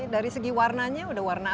dari segi warnanya sudah warna apa ini